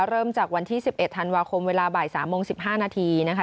เริ่มจากวันที่๑๑ธันวาคมเวลาบ่าย๓โมง๑๕นาทีนะคะ